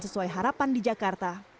sesuai harapan di jakarta